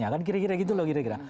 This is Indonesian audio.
kira kira gitu loh